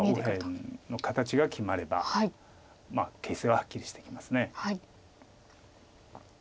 右辺の形が決まれば形勢ははっきりしてきます。